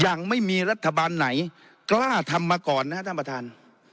ยังไม่มีรัฐบาลไหนกล้าทำมาก่อนนะครับท่านประธาน